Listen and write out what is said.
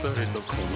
この